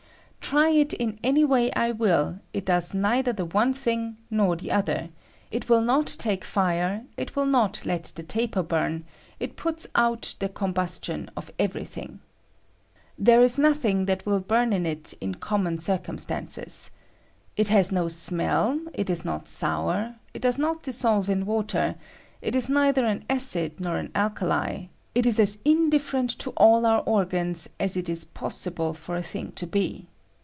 Try it in any way I wiU, it does neither the one thing nor the other; it will not take iire ; it will not let the taper bum ; it puts oat the combustioii of every thing. There Lis nothing that will barn in it ia common cir Fcnmstances. It has no smell; it is not sour; it r does not dissolve in water ; it is neither an acid nor an alkali ; it is as indifferent to all our or gans as it is possible for a thing to be.